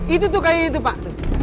itu tuh kayak itu pak